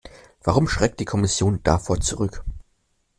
Warum schreckt die Kommission davor zurück?